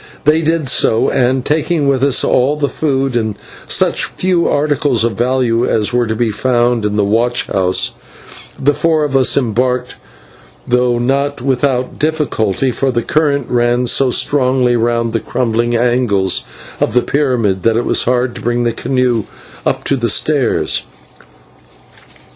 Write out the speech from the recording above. They did so, and, taking with us all the food and such few articles of value as were to be found in the watch house, the four of us embarked, though not without difficulty, for the current ran so strongly round the crumbling edges of the pyramid that it was hard to bring the canoe up to the stairs.